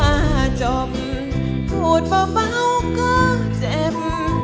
คำว่าจบพูดเบาก็เจ็บ